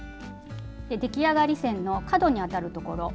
出来上がり線の角に当たるところ。